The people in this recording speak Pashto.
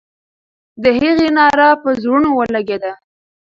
د هغې ناره پر زړونو ولګېده.